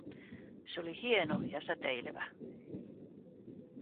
Se oli hieno ja säteilevä.